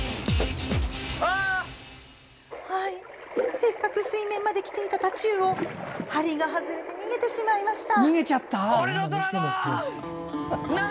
せっかく水面まできていたタチウオ針が外れて逃げてしまいました。